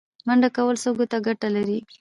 منډه کول سږو ته ګټه لري